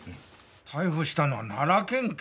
逮捕したのは奈良県警！？